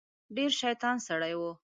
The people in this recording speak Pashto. ډیر شیطان سړی و.